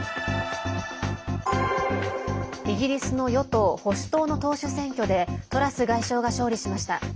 イギリスの与党保守党の党首選挙でトラス外相が勝利しました。